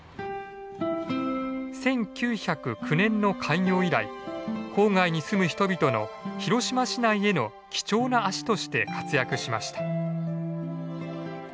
１９０９年の開業以来郊外に住む人々の広島市内への貴重な足として活躍しました。